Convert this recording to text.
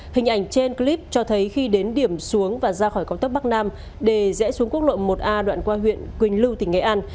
hình ảnh trên clip cho thấy khi đến điểm xuống và ra khỏi cao tốc bắc nam để rẽ xuống quốc lộ một a đoạn qua huyện quỳnh lưu tỉnh nghệ an